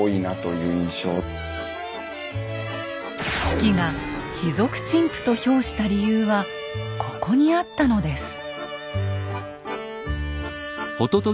子規が「卑俗陳腐」と評した理由はここにあったのです。